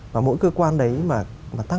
mỗi cơ quan đấy mà